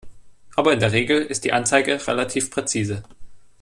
Aber in der Regel ist die Anzeige relativ präzise.